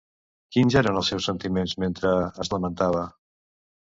Quins eren els seus sentiments mentre es lamentava?